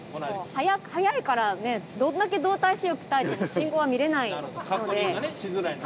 速いからどんだけ動体視力鍛えても信号は見れないので。